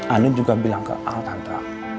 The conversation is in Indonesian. andin juga bilang ke al tante